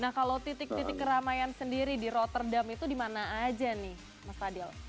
nah kalau titik titik keramaian sendiri di rotterdam itu di mana aja nih mas fadil